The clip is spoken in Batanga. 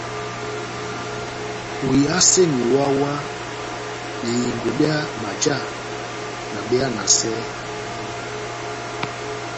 Óhiyaseni wáhá-wáhá behiyango byá majá na behanasɛ mínga.